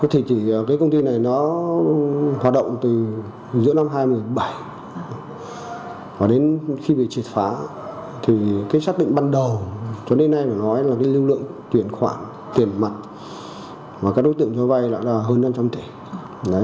thì chỉ cái công ty này nó hoạt động từ giữa năm hai nghìn một mươi bảy và đến khi bị triệt phá thì cái xác định ban đầu cho đến nay là cái lưu lượng tiền khoản tiền mặt và các đối tượng cho vay là hơn năm trăm linh tỷ